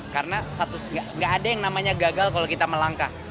karena nggak ada yang namanya gagal kalau kita melangkah